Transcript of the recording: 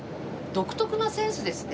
独特なセンスですね。